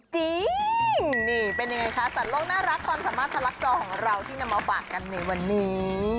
จริงนี่เป็นยังไงคะสัตว์โลกน่ารักความสามารถทะลักจอของเราที่นำมาฝากกันในวันนี้